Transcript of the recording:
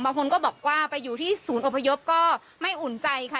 บางคนก็บอกว่าไปอยู่ที่ศูนย์อพยพก็ไม่อุ่นใจค่ะ